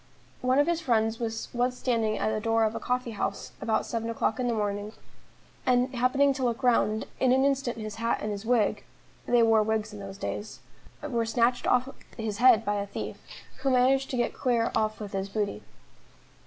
One of his friends was once standing at the door of a coffee house about seven o'clock in the evening, and happening to look round, in an instant his hat and his wig they wore wigs in those days were snatched off his head by a thief, who managed to get clear off with his booty.